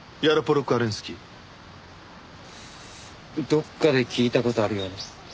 どっかで聞いた事あるような。